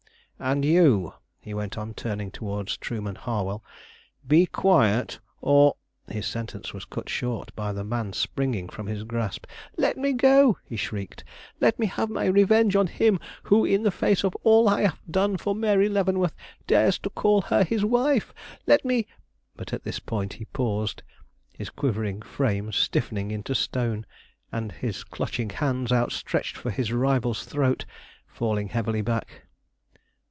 And you," he went on, turning towards Trueman Harwell, "be quiet, or " His sentence was cut short by the man springing from his grasp. "Let me go!" he shrieked. "Let me have my revenge on him who, in face of all I have done for Mary Leavenworth, dares to call her his wife! Let me " But at this point he paused, his quivering frame stiffening into stone, and his clutching hands, outstretched for his rival's throat, falling heavily back.